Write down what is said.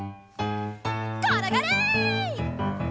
ころがれ！